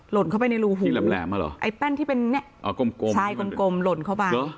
หล่นเข้าไปในรูหูที่แหลมอ่ะเหรอไอ้แป้นที่เป็นเนี่ยอ่ากลมกลมใช่กลมกลมหล่นเข้าไป